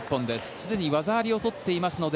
すでに技ありを取っていますので